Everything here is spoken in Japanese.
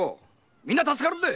みんな助かるんだ！